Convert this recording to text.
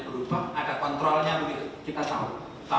di analisa metadata